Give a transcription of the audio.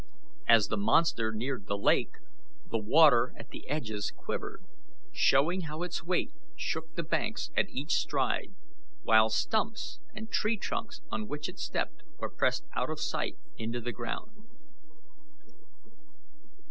As the monster neared the lake, the water at the edges quivered, showing how its weight shook the banks at each stride, while stumps and tree trunks on which it stepped were pressed out of sight in the ground.